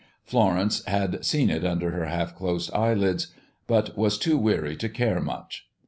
Florence had seen it under her half closed eyelids, but was too weary to care much.